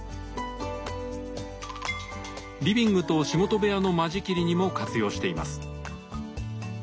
リビングと仕事部屋の間仕切りにも活用しています。